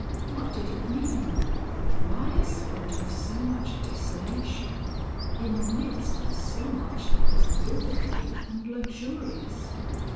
What did it mean? Why a spot of so much desolation in the midst of so much that was lordly and luxurious?